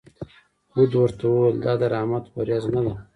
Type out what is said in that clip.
هود ورته وویل: دا د رحمت ورېځ نه ده.